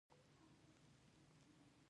ستره محکمه په سر کې ځای لري.